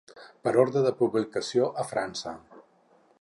Per ordre de publicació a França.